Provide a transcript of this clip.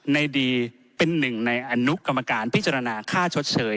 ดีเป็นหนึ่งในอนุกรรมการพิจารณาค่าชดเชย